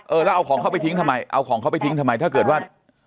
แล้วเอาของเขาไปทิ้งทำไมเอาของเขาไปทิ้งทำไมถ้าเกิดว่า